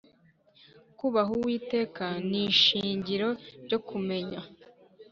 kubaha uwiteka ni ishingiro ryo kumenya,